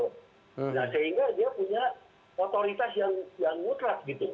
nah sehingga dia punya otoritas yang mutlak gitu